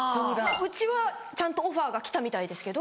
うちはちゃんとオファーが来たみたいですけど。